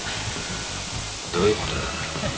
どういうことだ？